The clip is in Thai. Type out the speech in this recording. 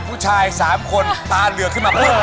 ผู้ชาย๓คนตาเรือขึ้นมา